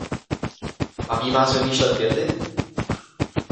Baví vás vymýšlet věty?